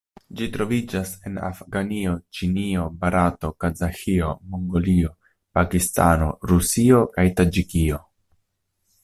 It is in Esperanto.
Ĝi troviĝas en Afganio, Ĉinio, Barato, Kazaĥio, Mongolio, Pakistano, Rusio kaj Taĝikio.